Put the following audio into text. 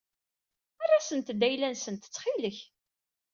Err-asent-d ayla-nsent ttxil-k.